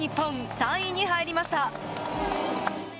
３位に入りました。